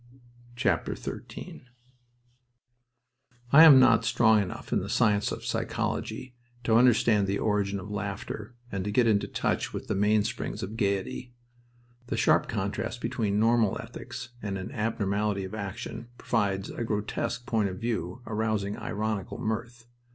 XIII I am not strong enough in the science of psychology to understand the origin of laughter and to get into touch with the mainsprings of gaiety. The sharp contrast between normal ethics and an abnormality of action provides a grotesque point of view arousing ironical mirth.